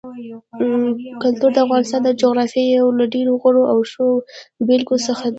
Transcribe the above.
کلتور د افغانستان د جغرافیې یو له ډېرو غوره او ښو بېلګو څخه دی.